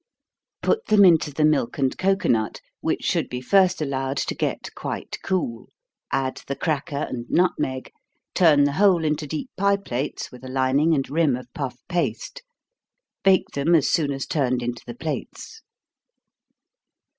Put them into the milk and cocoanut, which should be first allowed to get quite cool add the cracker and nutmeg turn the whole into deep pie plates, with a lining and rim of puff paste. Bake them as soon as turned into the plates.